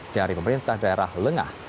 dari pemerintah daerah lengah